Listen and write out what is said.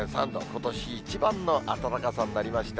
ことし一番の暖かさになりました。